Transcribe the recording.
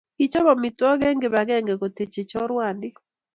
Kechop amitwogik eng kipakenge kotechei chorwandit